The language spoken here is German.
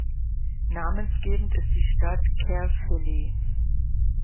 Namensgebend ist die Stadt Caerphilly.